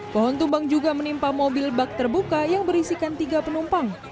pohon tumbang juga menimpa mobil bak terbuka yang berisikan tiga penumpang